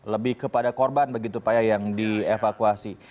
lebih kepada korban begitu pak ya yang dievakuasi